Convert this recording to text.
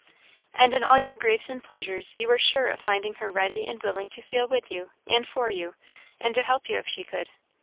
"And in all your griefs and pleasures you were sure of finding her ready and willing to feel with you, and for you, and to help you if she could?